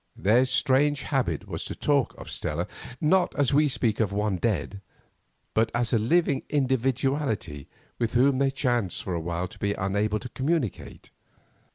Their strange habit was to talk of Stella, not as we speak of one dead, but as a living individuality with whom they chanced for a while to be unable to communicate.